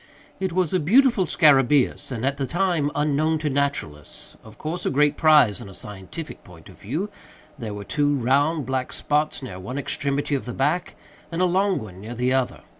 It was a beautiful scarabæus, and, at that time, unknown to naturalists—of course a great prize in a scientific point of view. There were two round, black spots near one extremity of the back, and a long one near the other.